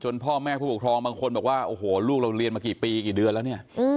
พ่อแม่ผู้ปกครองบางคนบอกว่าโอ้โหลูกเราเรียนมากี่ปีกี่เดือนแล้วเนี่ย